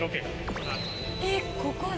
えっここで？